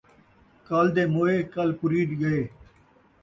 کل دے موئے کل پُریج ڳئے